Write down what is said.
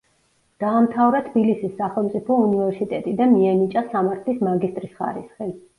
დაამთავრა თბილისის სახელმწიფო უნივერსიტეტი და მიენიჭა სამართლის მაგისტრის ხარისხი.